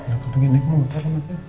aku pengen naik motor